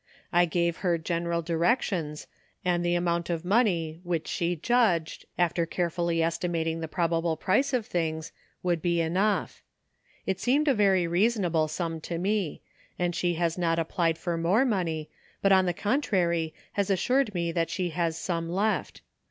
I gave her general directions, and the amount of money which she judged, after carefully estimating the BORROWED TROUBLE. 235 probable price of things, would be enough. It seemed a very reasonable sum to me, and she has not applied for more money, but on the contrary has assured me that she has some left.